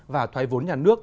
và thoái vốn nhà nước